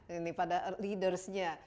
ini pada leaders nya